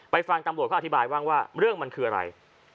ฟังตำรวจเขาอธิบายบ้างว่าเรื่องมันคืออะไร